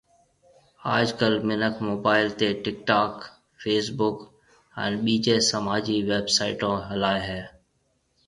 آج ڪل منک موبائل تيَ ٽِڪ ٽاڪ، فيس بُڪ ھان ٻيجيَ سماجِي ويب سائيٽون ھلائيَ ھيََََ